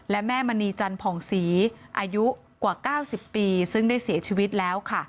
และแม่มณีจันผ่องศรีอายุกว่า๙๐ปีซึ่งได้เสียชีวิตแล้วค่ะ